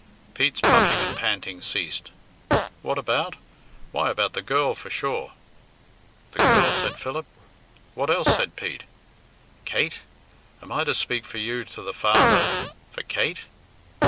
Pete's puffing and panting ceased. "What about? Why, about the girl for sure." "The girl!" said Philip. "What else?" said Pete. "Kate? Am I to speak for you to the father for Kate?"